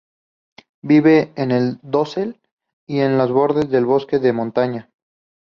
Vive en el dosel y en los bordes del bosque de montaña.